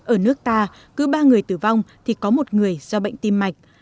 ở nước ta cứ ba người tử vong thì có một người do bệnh tim mạch